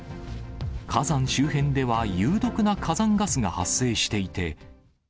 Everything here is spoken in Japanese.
火山周辺では有毒な火山ガスが発生していて。